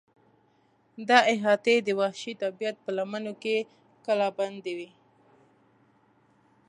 دا احاطې د وحشي طبیعت په لمنو کې کلابندې وې.